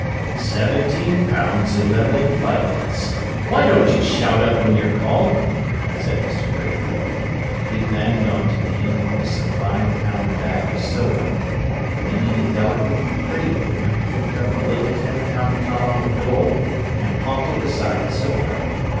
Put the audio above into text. "Seventeen pounds eleven and fivepence. Why don't you shout up when you're called?" said Mr. Braithwaite. He banged on to the invoice a five pound bag of silver, then in a delicate and pretty movement, picked up a little ten pound column of gold, and plumped it beside the silver.